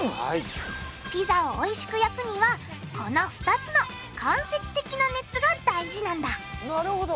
ピザをおいしく焼くにはこの２つの間接的な熱が大事なんだなるほど。